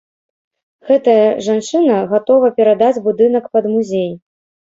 Гэтая жанчына гатова перадаць будынак пад музей.